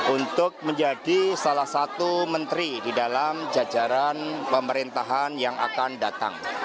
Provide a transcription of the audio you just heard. untuk menjadi salah satu menteri di dalam jajaran pemerintahan yang akan datang